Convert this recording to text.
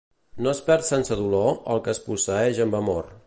No es perd sense dolor, el que es posseeix amb amor.